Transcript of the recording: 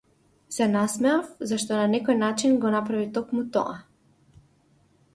Се насмеав, зашто на некој начин го направи токму тоа.